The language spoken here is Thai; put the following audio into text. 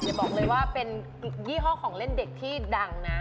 บอกเลยว่าเป็นยี่ห้อของเล่นเด็กที่ดังนะ